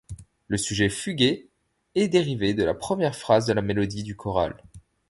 Le sujet fugué est dérivé de la première phrase de la mélodie du choral.